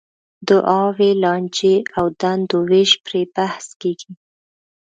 دعاوې، لانجې او دندو وېش پرې بحث کېږي.